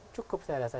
cukup saya rasa